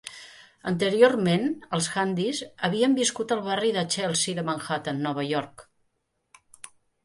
Anteriorment, els Handeys havien viscut al barri del Chelsea de Manhattan, Nova York.